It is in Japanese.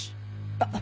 あっ！